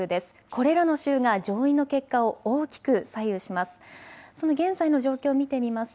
これらの州が上院の結果を大きく左右します。